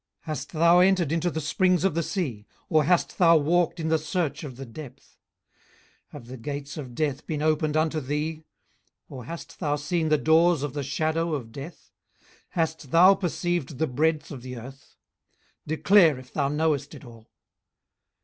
18:038:016 Hast thou entered into the springs of the sea? or hast thou walked in the search of the depth? 18:038:017 Have the gates of death been opened unto thee? or hast thou seen the doors of the shadow of death? 18:038:018 Hast thou perceived the breadth of the earth? declare if thou knowest it all.